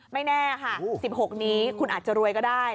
ไม่แน่ค่ะ๑๖นี้คุณอาจจะรวยก็ได้